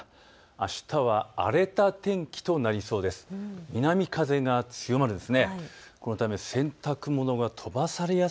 あしたは荒れた天気となりそうです。